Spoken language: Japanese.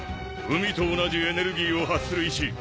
海と同じエネルギーを発する石。